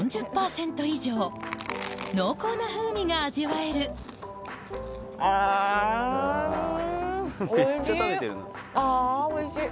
濃厚な風味が味わえるおいしい！